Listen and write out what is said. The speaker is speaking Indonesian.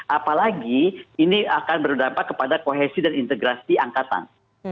apalagi ini akan berdampak kepada kohesi dan integrasi angkatan